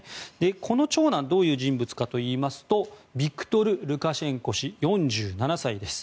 この長男どういう人物かといいますとビクトル・ルカシェンコ氏４７歳です。